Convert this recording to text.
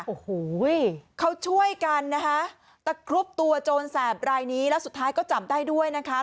โอ้โหเขาช่วยกันนะคะตะครุบตัวโจรแสบรายนี้แล้วสุดท้ายก็จับได้ด้วยนะคะ